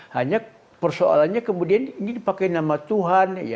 hanya persoalannya kemudian ini dipakai nama tuhan